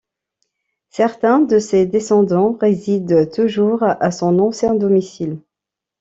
Certains de ses descendants résident toujours à son ancien domicile.